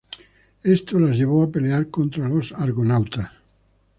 Esto las llevó a pelear contra los Argonautas.